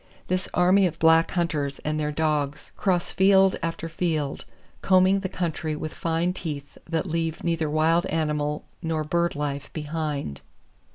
This army of black hunters and their dogs cross field after field, combing the country with fine teeth that leave neither wild animal nor bird life behind.